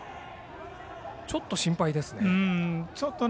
ちょっと心配ですね。